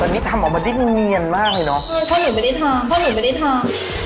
วันนี้ทำออกมันได้เมียนมากนี่เนอะอืมพ่อหนูไม่ได้ทำพ่อหนูไม่ได้ทำ